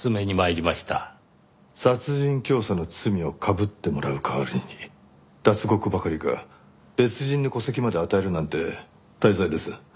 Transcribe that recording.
殺人教唆の罪をかぶってもらう代わりに脱獄ばかりか別人の戸籍まで与えるなんて大罪です。